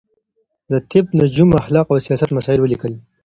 ده د طب، نجوم، اخلاق او سياست مسايل وليکل